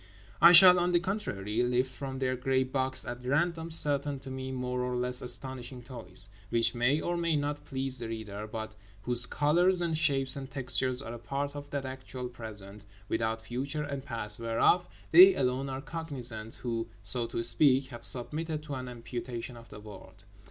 I shall (on the contrary) lift from their grey box at random certain (to me) more or less astonishing toys; which may or may not please the reader, but whose colours and shapes and textures are a part of that actual Present—without future and past—whereof they alone are cognizant who—so to speak—have submitted to an amputation of the world.